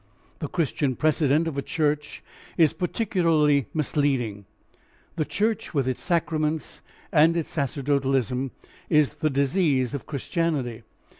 The Christian precedent of a church is particularly misleading. The church with its sacraments and its sacerdotalism is the disease of Christianity.